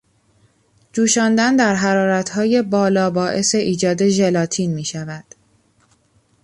جوشاندن در حرارتهای بالا باعث ایجاد ژلاتین میشود.